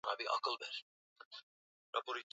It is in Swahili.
Siwezi kushindana, oh kushindana